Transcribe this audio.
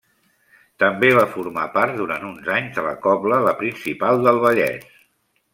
També va formar part durant uns anys de la Cobla La Principal del Vallès.